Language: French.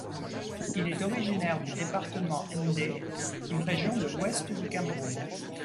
Il est originaire du département Ndé, une région de l'Ouest du Cameroun.